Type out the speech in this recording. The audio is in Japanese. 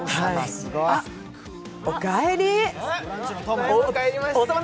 あ、おかえり。